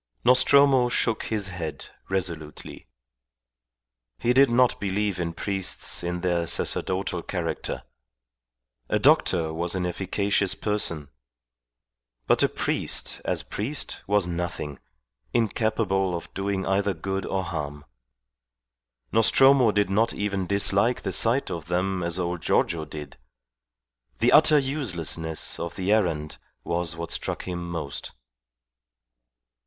Nostromo shook his head resolutely. He did not believe in priests in their sacerdotal character. A doctor was an efficacious person; but a priest, as priest, was nothing, incapable of doing either good or harm. Nostromo did not even dislike the sight of them as old Giorgio did. The utter uselessness of the errand was what struck him most.